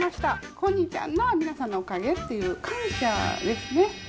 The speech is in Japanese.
今日があるのは皆さんのおかげっていう感謝ですね。